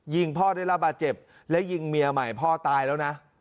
พ่อได้รับบาดเจ็บและยิงเมียใหม่พ่อตายแล้วนะ